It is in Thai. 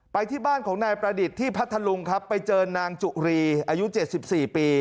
ที่บ้านของนายประดิษฐ์ที่พัทธลุงครับไปเจอนางจุรีอายุ๗๔ปี